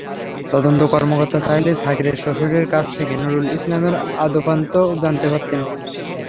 তদন্ত কর্মকর্তা চাইলে শাকিলের শ্বশুরের কাছ থেকেও নূরুল ইসলামের আদ্যোপান্ত জানতে পারতেন।